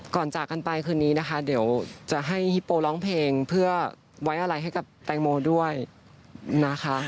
จากกันไปคืนนี้นะคะเดี๋ยวจะให้ฮิปโปร้องเพลงเพื่อไว้อะไรให้กับแตงโมด้วยนะคะ